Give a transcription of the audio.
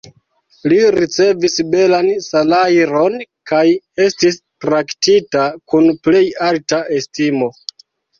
Li ricevis belan salajron, kaj estis traktita kun plej alta estimo.